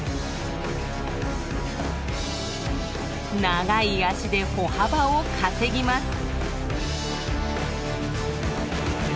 長い足で歩幅を稼ぎます。